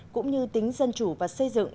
cũng như tính dân chủ và xây dựng